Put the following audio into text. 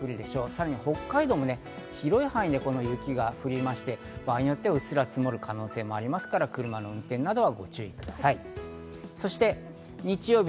さらに北海道も広い範囲で雪が降りまして、場合によっては、うっすら積もる可能性もありますから、車の運転などはご注意ください。